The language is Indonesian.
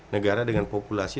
negara dengan populasi